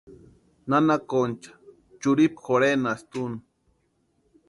Nana Concha churhipu jorhenasti úni.